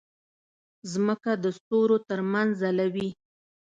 مځکه د ستورو ترمنځ ځلوي.